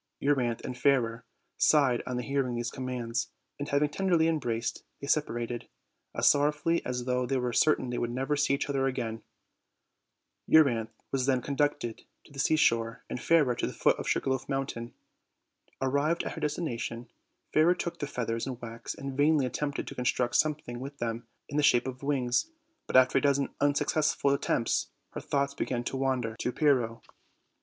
Euryanthe and Fairer sighed on hearing these commands, and, hav ing tenderly embraced, they separated, as sorrowfully as though they were certain they should never see each other again. Euryanthe was tb^n conducted to the sea shore and Fairer to the foot of the Sugar Loaf Mountain. Arrived at her destination, Fairer took the feathers and wax, and vainly attempted to construct something with them in the shape of wings; but after a dozen un successful attempts, her thoughts began to wander t<> 44 OLD, OLD FAIRJ TALES. Pyrrho.